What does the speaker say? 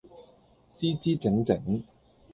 姿姿整整